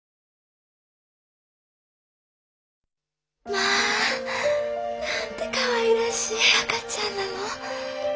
まあなんてかわいらしい赤ちゃんなの！